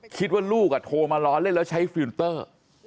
คิดว่าลูกโทรมาล้อเล่นแล้วใช้ฟิลเตอร์